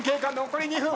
残り２分。